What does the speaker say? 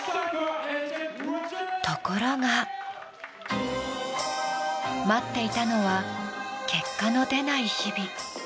ところが、待っていたのは結果の出ない日々。